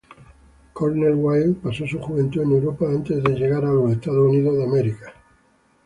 Cornel Wilde pasó su juventud en Europa antes de llegar a Estados Unidos.